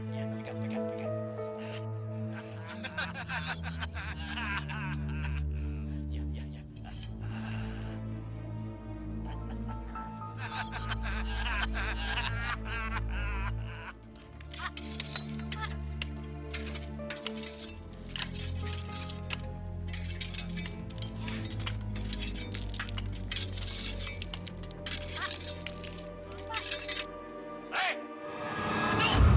ya kita pergi